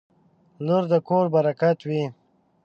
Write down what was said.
• لور د کور برکت وي.